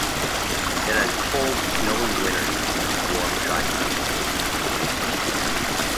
It has cold, snowy winters and warm, dry summers.